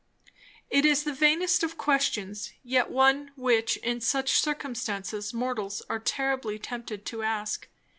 It is the vainest of questions; yet one which in such circumstances mortals are terribly tempted to ask.